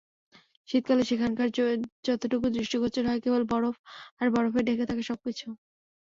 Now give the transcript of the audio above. শীতকালে সেখানকার যতটুকু দৃষ্টিগোচর হয়, কেবল বরফ আর বরফে ঢেকে থাকে সবকিছু।